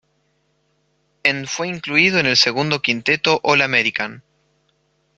En fue incluido en el segundo quinteto All-American.